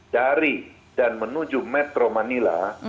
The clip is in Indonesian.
dari dan menuju metro manila